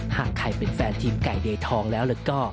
หากใครเป็นแฟนทีมไก่เดยทองแล้วก็